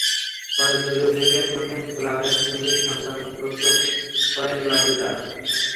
পরে জরুরি বিভাগের সামনে খোলা আকাশের নিচে সন্তান প্রসব করেন মাজেদা।